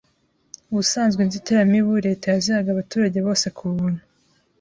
Ubusanzwe inzitiramibu Leta yazihaga abaturage bose ku buntu